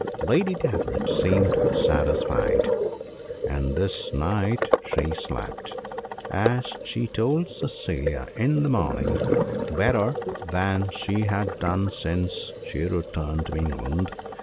Lady Davenant seemed satisfied, and this night she slept, as she told Cecilia in the morning, better than she had done since she returned to England.